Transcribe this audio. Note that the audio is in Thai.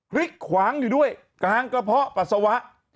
ขวางอยู่ด้วยกลางกระเพาะปัสสาวะ